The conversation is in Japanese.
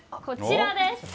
こちらです。